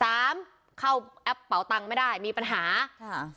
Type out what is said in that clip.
เข้าแอปเป่าตังค์ไม่ได้มีปัญหาค่ะ